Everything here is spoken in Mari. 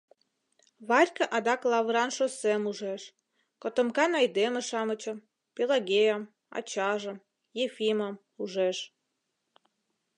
Варька адак лавыран шоссем ужеш, котомкан айдеме-шамычым, Пелагеям, ачажым, Ефимым, ужеш.